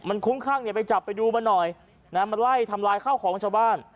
มันคุ้มข้างเนี่ยไปจับไปดูมาหน่อยนะมาไล่ทำลายข้าวของชาวบ้าน